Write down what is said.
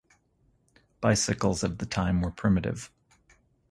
Bicycles of the time were primitive.